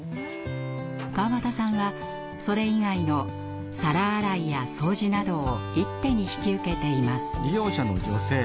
川端さんはそれ以外の皿洗いや掃除などを一手に引き受けています。